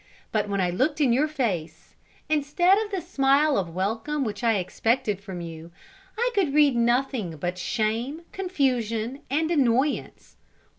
But when I looked in your face, instead of the smile of welcome which I expected from you, I could read nothing but shame, confusion, and annoyance.